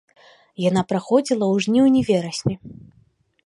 Яна праходзіла ў жніўні-верасні.